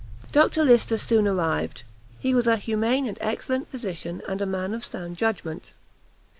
Dr Lyster soon arrived; he was a humane and excellent physician, and a man of sound judgment.